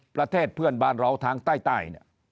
ประเทศเพื่อนบ้านเราทางใต้เนี่ย